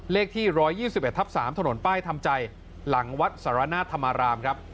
เลขที่๑๒๑ทับ๓ถนนป้ายทำใจหลังวัดสารนาธรรมรามครับ